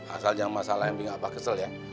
asal jangan masalah yang bikin apa kesel ya